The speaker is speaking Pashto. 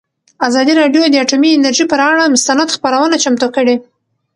ازادي راډیو د اټومي انرژي پر اړه مستند خپرونه چمتو کړې.